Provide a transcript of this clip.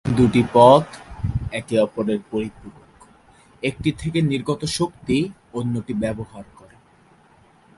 দুটি পথ একে অপরের পরিপূরক একটি থেকে নির্গত শক্তি অন্যটি ব্যবহার করে।